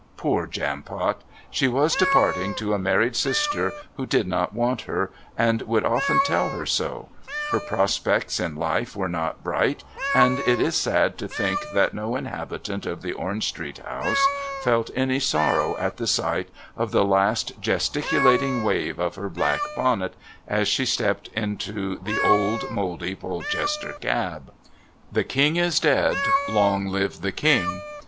Poor Jampot! She was departing to a married sister who did not want her, and would often tell her so; her prospects in life were not bright, and it is sad to think that no inhabitant of the Orange Street house felt any sorrow at the sight of the last gesticulating wave of her black bonnet as she stepped into the old mouldy Polchester cab. "The King is dead long live the King!"